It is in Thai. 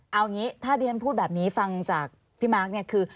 เอางี้ถ้าที่ฉันพูดแบบนี้ฟังจากพี่มาร์คเนี่ยคือ